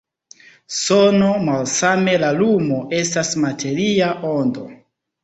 Sono, malsame la lumo, estas materia ondo.